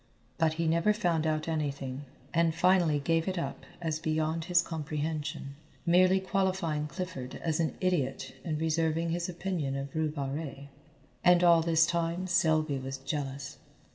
But he never found out anything, and finally gave it up as beyond his comprehension, merely qualifying Clifford as an idiot and reserving his opinion of Rue Barrée. And all this time Selby was jealous.